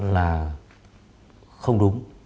là không đúng